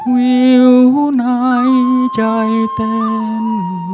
วิวในใจเต็น